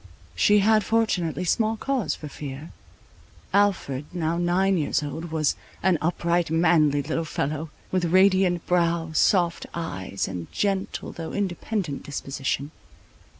She had fortunately small cause for fear. Alfred, now nine years old, was an upright, manly little fellow, with radiant brow, soft eyes, and gentle, though independent disposition.